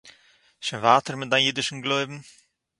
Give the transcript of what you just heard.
שוין ווייטער מיט דיין אידישן גלויבן